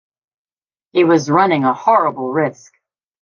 He was running a horrible risk.